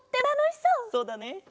そうだね。